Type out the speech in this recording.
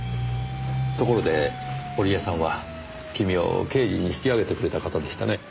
ところで堀江さんは君を刑事に引き上げてくれた方でしたね。